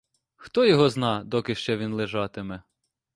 Хто його зна, доки ще він лежатиме.